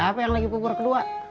siapa yang lagi puber kedua